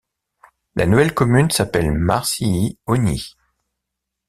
La nouvelle commune s'appelle Marcilly-Ogny.